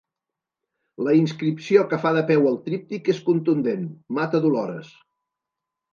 La inscripció que fa de peu al tríptic és contundent: "Mata Dolores".